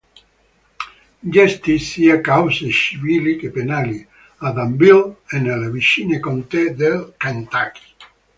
Gestì sia cause civili che penali a Danville e nelle vicine contee del Kentucky.